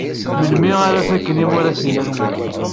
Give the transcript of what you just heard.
Melmi ara faken yimuras-nnem?